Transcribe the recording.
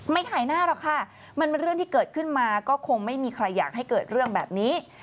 ถ่ายหน้าหรอกค่ะมันเป็นเรื่องที่เกิดขึ้นมาก็คงไม่มีใครอยากให้เกิดเรื่องแบบนี้